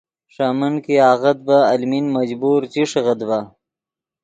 ݰے من کہ آغت ڤے المین مجبور چی ݰیغیت ڤے